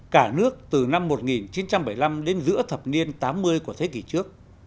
cả nước từ năm một nghìn chín trăm bảy mươi năm đến giữa thập niên tám mươi của thế kỷ trước